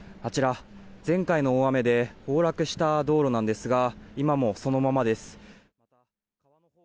前回の大雨で崩落した道路なんですが今もそのままです。